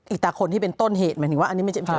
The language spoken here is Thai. ตาคนที่เป็นต้นเหตุหมายถึงว่าอันนี้ไม่ใช่